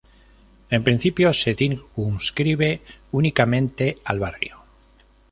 En principio se circunscribe únicamente al barrio.